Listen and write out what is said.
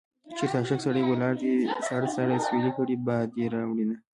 چېرته عاشق سړی ولاړ دی ساړه ساړه اسويلي کړي باد يې راوړينه